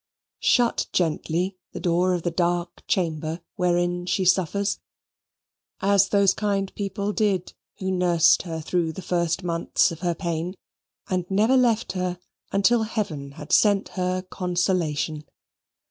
Shut gently the door of the dark chamber wherein she suffers, as those kind people did who nursed her through the first months of her pain, and never left her until heaven had sent her consolation.